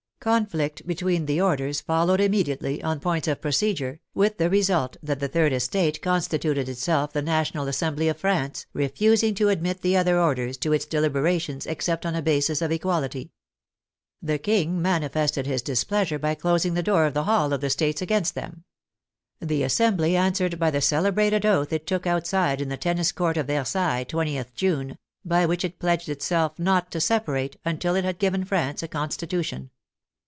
Conflict between the or ders followed immediately, on points of procedure, with the result that the third estate constituted itself the National Assembly of France, refusing to admit the other orders to its deliberations except on a basis of equality. The King manifested his displeasure by closing the door 12 THE FRENCH REVOLUTION of the hall of the States against them. The Assembly answered by the celebrated oath it took outside in the Tennis Court of Versailles, 20th June, by which it pledged itself not to separate until it had given France a Con stitution.